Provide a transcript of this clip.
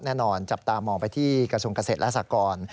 แน่นอนจับตามองไปที่กระทรวงเกษตรและสากร